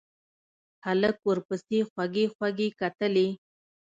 هلک ورپسې خوږې خوږې کتلې.